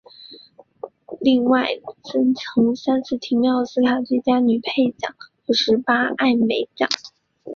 另外亦曾三次提名奥斯卡最佳女配角奖和十八次艾美奖。